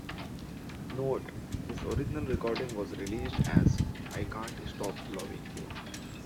"Note": This original recording was released as "I Can't Stop Lovin' You".